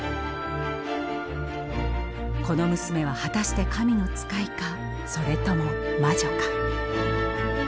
この娘は果たして神の使いかそれとも魔女か。